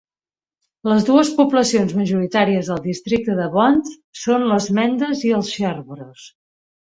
Les dues poblacions majoritàries del districte de Bonthe són els mendes i els sherbros.